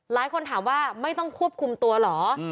หลายคนถามว่าไม่ต้องควบคุมตัวเหรอ